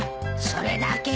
それだけ？